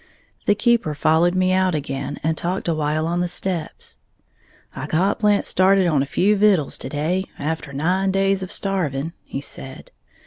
The keeper followed me out again, and talked a while on the steps, "I got Blant started on a few vittles to day, after nine days of starving," he said.